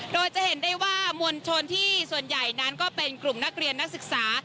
โดยจะเห็นได้ว่ามวลชนที่ส่วนใหญ่นั้นก็เป็นกลุ่มนักเรียนนักศึกษา